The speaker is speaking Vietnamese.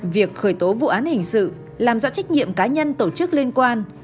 việc khởi tố vụ án hình sự làm rõ trách nhiệm cá nhân tổ chức liên quan